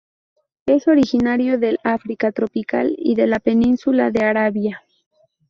Es originario del África tropical y de la península de Arabia.